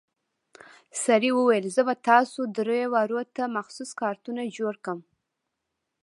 سړي وويل زه به تاسو درې واړو ته مخصوص کارتونه جوړ کم.